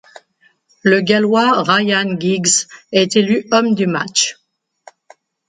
Le Gallois Ryan Giggs est élu homme du match.